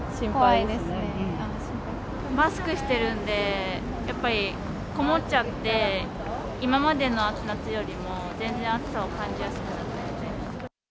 マスクしてるんで、やっぱり籠もっちゃって、今までの夏よりも全然暑さを感じやすくなっていて。